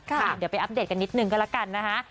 เดี๋ยวไปอัปเดตกันนิดนึงก็แล้วกันนะคะ